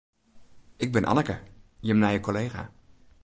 Ik bin Anneke, jim nije kollega.